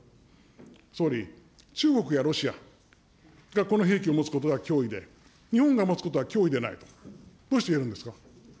総理、中国やロシアがこの兵器を持つことが脅威で、日本が持つことは脅威でないと、どうして言えるんですか。